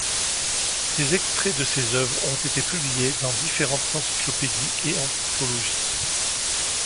Des extraits de ses œuvres ont été publiés dans différentes encyclopédies et anthologies.